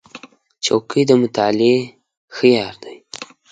چوکۍ د مطالعې ښه یار دی.